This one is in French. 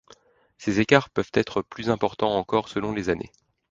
Ces écarts peuvent être plus importants encore selon les années.